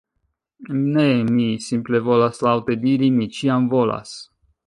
Ne, mi simple volas laŭte diri "Mi ĉiam volas!"